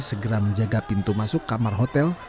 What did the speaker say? segera menjaga pintu masuk kamar hotel